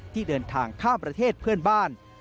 ที่เดินทางข้ามประเทศเพื่อนบ้าน